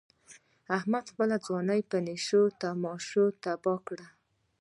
احمد خپله ځواني په نشو تماشو تباه کړ.